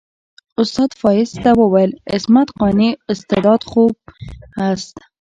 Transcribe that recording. استاد فایز ته وویل عصمت قانع استعداد خوب است.